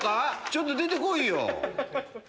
ちょっと出て来いよ。